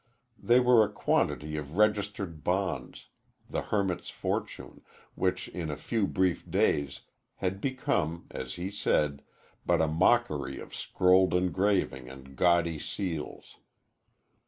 They were a quantity of registered bonds the hermit's fortune, which in a few brief days had become, as he said, but a mockery of scrolled engraving and gaudy seals.